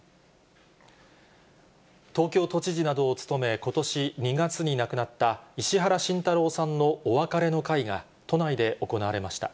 東京都知事などを務め、ことし２月に亡くなった、石原慎太郎さんのお別れの会が、都内で行われました。